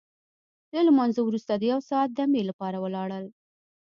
له لمانځه وروسته د یو ساعت دمې لپاره ولاړل.